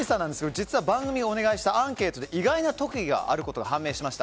実は番組がお願いしたアンケートで意外な特技があることが分かりました。